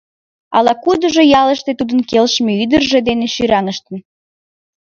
Ала-кудыжо ялыште тудын келшыме ӱдыржӧ дене шӱраҥыштын.